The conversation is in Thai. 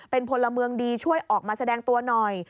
เป็นพลเมืองดีช่วยออกมาแสดงตัวหน่อย